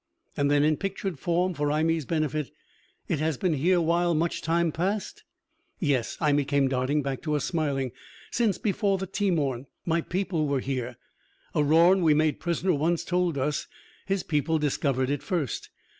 And then, in pictured form, for Imee's benefit, "It has been here while much time passed?" "Yes." Imee came darting back to us, smiling. "Since before the Teemorn, my people were here. A Rorn we made prisoner once told us his people discovered it first.